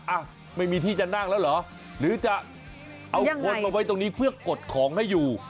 อ่ะไม่มีที่จะนั่งแล้วเหรอหรือจะเอาคนมาไว้ตรงนี้เพื่อกดของให้อยู่